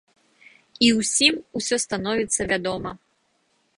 І ўсім усё становіцца вядома.